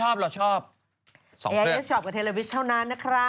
โอ้ยเราชอบสองเพื่อนแอร์เอสชอบกับเทเลวิชเท่านั้นนะครับ